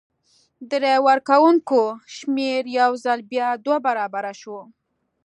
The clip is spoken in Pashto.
د رای ورکوونکو شمېر یو ځل بیا دوه برابره شو.